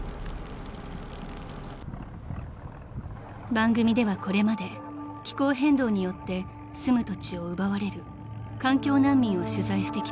［番組ではこれまで気候変動によって住む土地を奪われる環境難民を取材してきました］